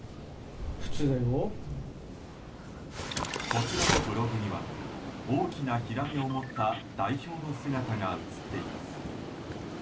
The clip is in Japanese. こちらのブログには大きなヒラメを持った代表の姿が写っています。